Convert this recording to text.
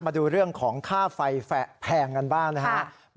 มาดูเรื่องของค่าไฟแพงกันบ้างนะครับ